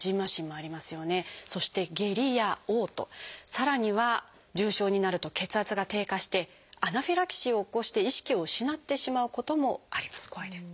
さらには重症になると血圧が低下してアナフィラキシーを起こして意識を失ってしまうこともあります。